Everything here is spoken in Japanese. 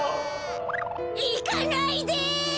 いかないで！